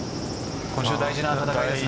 今週大事な戦いですね。